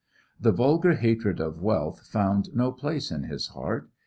The vulgar hatred of wealth found no place in his heart.